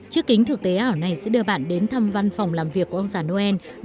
chiếc kính thực tế ảo này sẽ đưa bạn đến thăm văn phòng làm việc của ông già noel